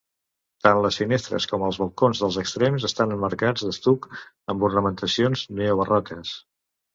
Tant les finestres com els balcons dels extrems estan emmarcats d'estuc amb ornamentacions neobarroques.